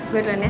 gue duluan ya